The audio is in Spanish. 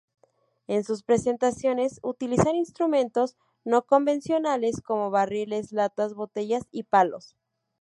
En sus presentaciones utilizan instrumentos no convencionales como barriles, latas, botellas y palos.